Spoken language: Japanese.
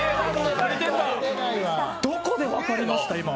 どこで分かりました？